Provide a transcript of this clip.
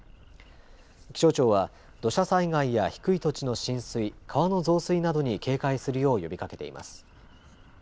気象庁は土砂災害や低い土地の浸水、川の増水などに警戒するよう呼びかけています。